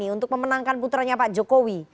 untuk memenangkan putranya pak jokowi